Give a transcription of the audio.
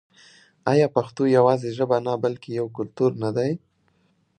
آیا پښتو یوازې ژبه نه بلکې یو کلتور نه دی؟